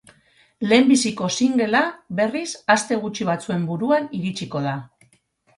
Lehenbiziko singlea, berriz, aste gutxi batzuen buruan iritsiko da.